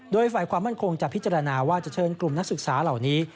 โดยฝ่ายความมั่นคงจะพิจารณาว่าจะเชิญกลุ่มนักศึกษาเหล่านี้